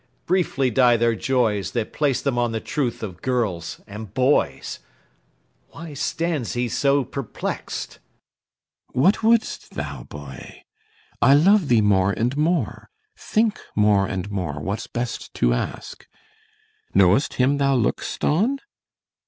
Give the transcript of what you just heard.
Briefly die their joys That place them on the truth of girls and boys. Why stands he so perplex'd? CYMBELINE. What wouldst thou, boy? I love thee more and more; think more and more What's best to ask. Know'st him thou look'st on?